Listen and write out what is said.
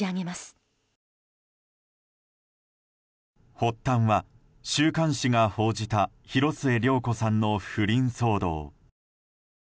発端は週刊誌が報じた広末涼子さんの不倫騒動。